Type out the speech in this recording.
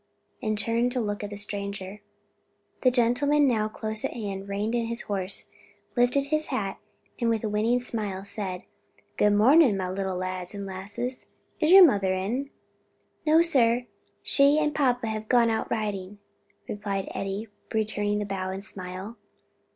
and turned to look at the stranger. The gentleman, now close at hand, reined in his horse, lifted his hat, and with a winning smile, said "Good morning, my little lads and lasses. Is your mother in?" "No, sir, she and papa have gone out riding," replied Eddie, returning the bow and smile.